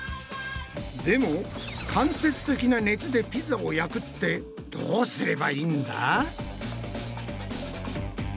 でも間接的な熱でピザを焼くってどうすればいいんだ？